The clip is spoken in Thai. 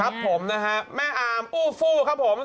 ครับผมนะฮะแม่อามอู้ฟู้ครับผม